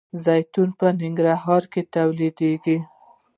زیتون په ننګرهار کې تولیدیږي.